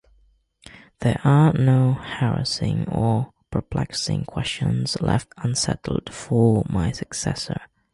There are no harassing or perplexing questions left unsettled for my successor.